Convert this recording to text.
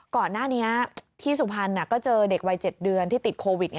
ก่อนหน้านี้ที่สุพรรณก็เจอเด็กวัย๗เดือนที่ติดโควิด